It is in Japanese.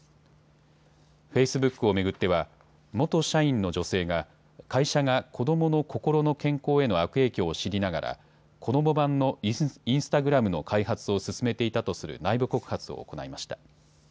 フェイス・ブックを巡っては元社員の女性が会社が子どもの心の健康への悪影響を知りながら子ども版のインスタグラムの開発を進めていたとする内部告発を行いました。